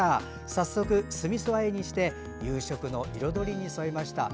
早速、酢みそあえにして夕食の彩りに添えました。